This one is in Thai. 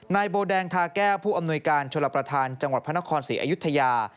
นายโบแดงทาแก้วผู้อำนวยการชลประธานจังหวัดพระนครศรีอยุธยา